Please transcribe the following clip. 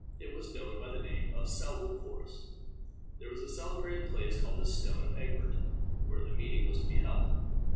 It was known by the name of Selwood Forest. There was a celebrated place called the Stone of Egbert, where the meeting was to be held.